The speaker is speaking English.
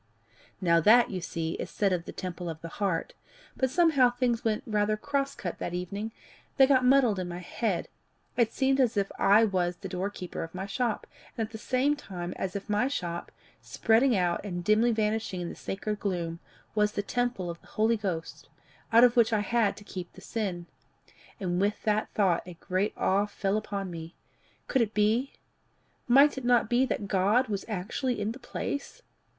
"Now that, you see, is said of the temple of the heart; but somehow things went rather cross cut that evening they got muddled in my head. It seemed as if I was the door keeper of my shop, and at the same time as if my shop, spreading out and dimly vanishing in the sacred gloom, was the temple of the Holy Ghost, out of which I had to keep the sin. And with the thought, a great awe fell upon me: could it be might it not be that God was actually in the place?